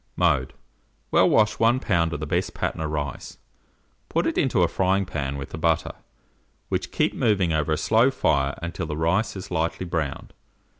Mode. Well wash 1 lb. of the best Patna rice, put it into a frying pan with the butter, which keep moving over a slow fire until the rice is lightly browned.